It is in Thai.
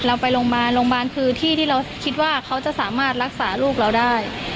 เราไปโรงพยาบาลโรงพยาบาลคือที่ที่เราคิดว่าเขาจะสามารถรักษาลูกเราได้